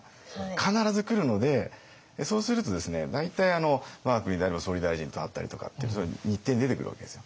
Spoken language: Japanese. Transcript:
必ず来るのでそうするとですね大体我が国であれば総理大臣と会ったりとかって日程に出てくるわけですよ。